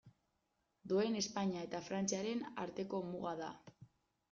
Duen Espainia eta Frantziaren arteko muga da.